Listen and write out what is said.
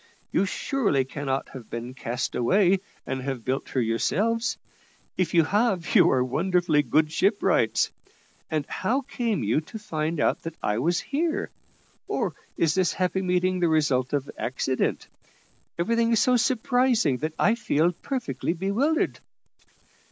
You surely cannot have been cast away, and have built her yourselves. If you have, you are wonderfully good shipwrights. And how came you to find out that I was here? or is this happy meeting the result of accident? Everything is so surprising that I feel perfectly bewildered."